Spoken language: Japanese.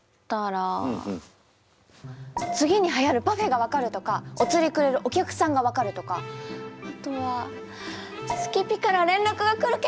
「次にはやるパフェが分かる！」とか「お釣りくれるお客さんが分かる！」とかあとは「好きピから連絡が来る気配を感じる！」とか。